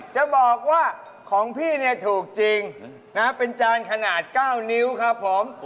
จะบอกว่าของพี่ถูกจริงเป็นจานขนาด๙นิ้วครบ